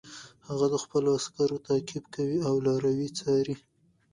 هغه د خپلو عسکرو تعقیب کوي او لاروي څاري.